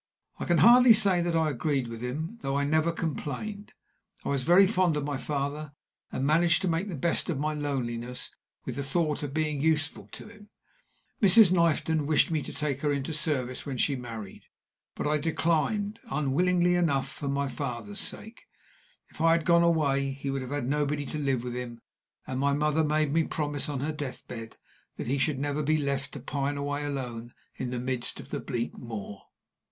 I can hardly say that I agreed with him, though I never complained. I was very fond of my father, and managed to make the best of my loneliness with the thought of being useful to him. Mrs. Knifton wished to take me into her service when she married, but I declined, unwillingly enough, for my father's sake. If I had gone away, he would have had nobody to live with him; and my mother made me promise on her death bed that he should never be left to pine away alone in the midst of the bleak moor.